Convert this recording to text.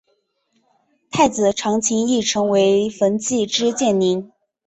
太子长琴亦成为焚寂之剑灵。